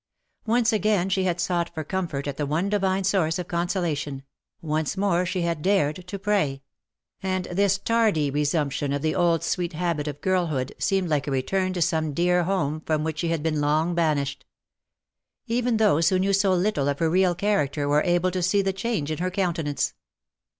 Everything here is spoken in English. Once again she had sought for comfort at the one Divine source of consolation ; once more she had dared to pray ; and this tardy resumption of the old sweet habit of girlhood seemed like a return to some dear home from which she had been long banished. Even those who knew so little of her real character were able to see the change in her countenance.